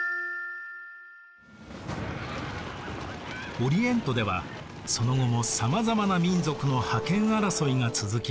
オリエントではその後もさまざまな民族の覇権争いが続きます。